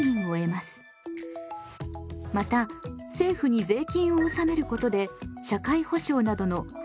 また政府に税金を納めることで社会保障などの行政サービスを得ます。